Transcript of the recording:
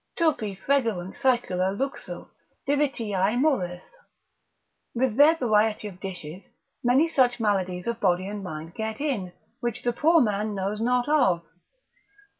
———turpi fregerunt saecula luxu Divitiae molles——— with their variety of dishes, many such maladies of body and mind get in, which the poor man knows not of.